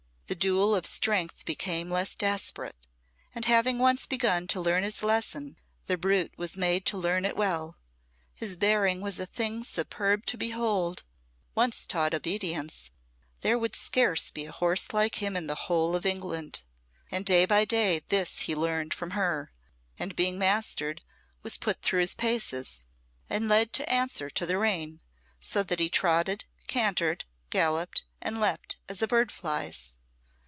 The duel of strength became less desperate, and having once begun to learn his lesson, the brute was made to learn it well. His bearing was a thing superb to behold; once taught obedience, there would scarce be a horse like him in the whole of England. And day by day this he learned from her, and being mastered, was put through his paces, and led to answer to the rein, so that he trotted, cantered, galloped, and leaped as a bird flies.